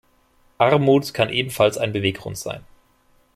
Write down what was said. Armut kann ebenfalls ein Beweggrund sein.